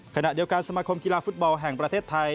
ขณะเดียวกันสมาคมกีฬาฟุตบอลแห่งประเทศไทย